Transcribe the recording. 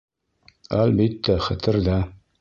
Әлбиттә, хәтерҙә.